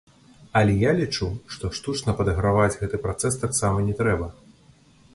Але я лічу, што штучна падаграваць гэты працэс таксама не трэба.